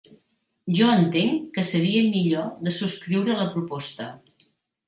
Jo entenc que seria millor de subscriure la proposta.